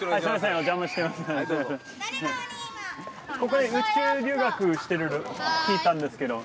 ここで宇宙留学してるって聞いたんですけど。